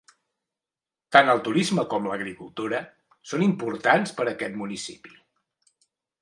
Tant el turisme com l'agricultura són importants per a aquest municipi.